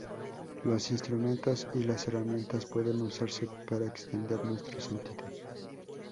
Los instrumentos y las herramientas pueden usarse para extender nuestros sentidos.